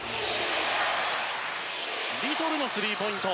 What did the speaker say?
リトルのスリーポイント